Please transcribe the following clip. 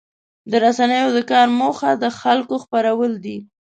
د رسنیو د کار موخه د خلکو خبرول دي.